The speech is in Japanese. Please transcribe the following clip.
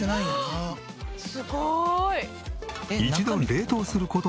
すごーい！